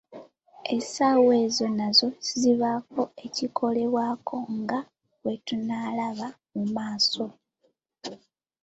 Essaawa ezo nazo zibaako ekikolebwako nga bwe tunaalaba mu maaso.